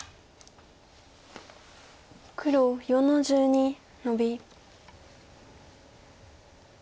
黒４の十二ノビ。